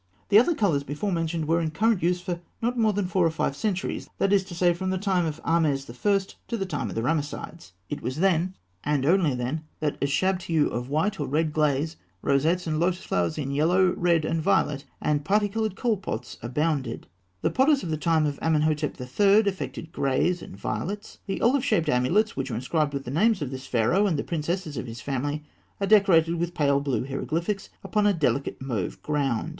The other colours before mentioned were in current use for not more than four or five centuries; that is to say, from the time of Ahmes I. to the time of the Ramessides. It was then, and only then, that ûshabtiû of white or red glaze, rosettes and lotus flowers in yellow, red, and violet, and parti coloured kohl pots abounded. The potters of the time of Amenhotep III. affected greys and violets. The olive shaped amulets which are inscribed with the names of this Pharaoh and the princesses of his family are decorated with pale blue hieroglyphs upon a delicate mauve ground.